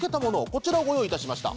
こちらをご用意いたしました。